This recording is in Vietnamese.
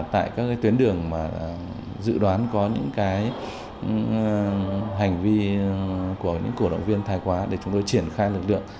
tại các tuyến đường mà dự đoán có những hành vi của những cổ động viên thái quá để chúng tôi triển khai lực lượng